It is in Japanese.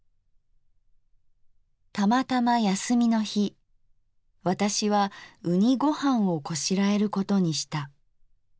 「たまたま休みの日私は『うにご飯』をこしらえることにした。